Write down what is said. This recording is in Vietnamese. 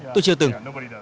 tôi chưa từng